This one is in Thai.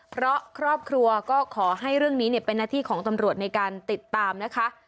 เพราะครอบครัวก็ขอให้เรื่องนี้เป็นหน้าที่ของตำรวจในการติดตามนะคะ